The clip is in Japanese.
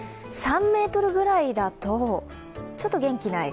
３メートルぐらいだと、ちょっと元気ない。